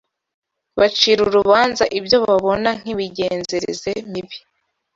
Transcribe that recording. bacira urubanza ibyo babona nk’imigenzereze mibi